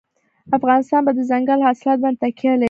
افغانستان په دځنګل حاصلات باندې تکیه لري.